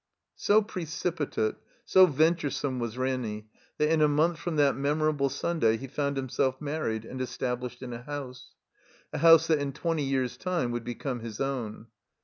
So precipitate, so venturesome was Ranny, that in a month from that memorable Sunday he f otmd himself married and established in a house. A house that in twenty years' time would become his own.